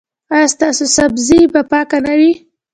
ایا ستاسو سبزي به پاکه نه وي؟